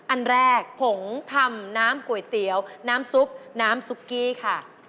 อันแรกผงทำน้ำก๋วยเตี๋ยวน้ำซุปน้ำซุปกี้ค่ะ